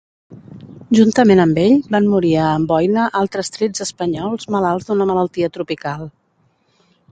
Juntament amb ell van morir a Amboina altres tretze espanyols malalts d'una malaltia tropical.